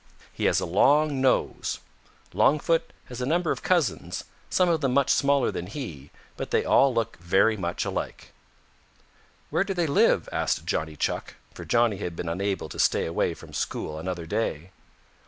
He has a long nose. Longfoot has a number of cousins, some of them much smaller than he, but they all look very much alike." "Where do they live?" asked Johnny Chuck, for Johnny had been unable to stay away from school another day.